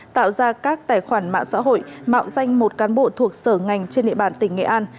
tạo ra các tài khoản mạng xã hội mạo danh một cán bộ thuộc sở ngành trên địa bàn tỉnh nghệ an